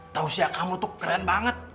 tau siapa kamu tuh keren banget